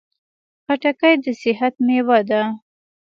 خټکی د صحت مېوه ده.